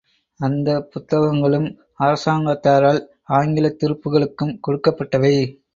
அந்தப் புத்தகங்களும் அரசாங்கத்தாரால் ஆங்கிலத்துருப்புகளுக்கும் கொடுக்கப்பட்டவை.